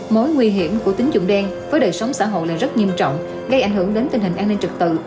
mối nguy hiểm của tính dụng đen với đời sống xã hội là rất nghiêm trọng gây ảnh hưởng đến tình hình an ninh trực tự